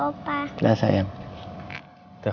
ibu tinggal ralph